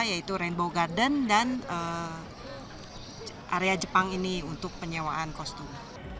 yaitu rainbow garden dan area jepang ini untuk penyewaan kostum